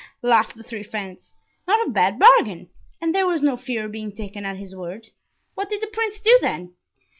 laughed the three friends, "not a bad bargain; and there was no fear of being taken at his word; what did the prince do then?"